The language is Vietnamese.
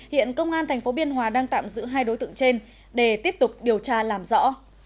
hiện công an tp biên hòa đang tạm giữ hai đối tượng trên để tiếp tục điều tra làm rõ